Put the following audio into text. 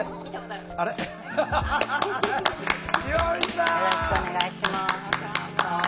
よろしくお願いします。